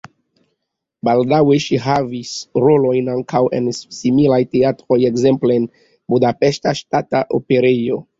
Baldaŭe ŝi havis rolojn ankaŭ en similaj teatroj, ekzemple en Budapeŝta Ŝtata Operejo.